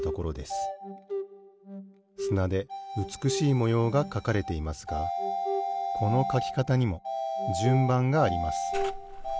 すなでうつくしいもようがかかれていますがこのかきかたにもじゅんばんがあります。